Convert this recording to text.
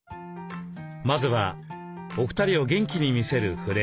まずはお二人を元気に見せるフレーム。